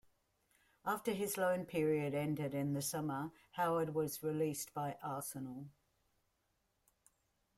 After his loan period ended in the summer Howard was released by Arsenal.